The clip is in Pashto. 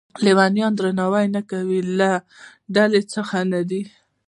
لویانو درناوی نه کوي له ډلې څخه نه دی.